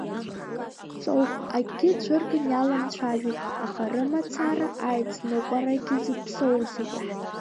Ҵоуп, акгьы цәырган иаламцәажәеит, аха рымацара аицныҟәарагьы зыԥсоузеи!